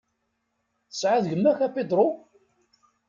Tesɛiḍ gma-k a Pedro?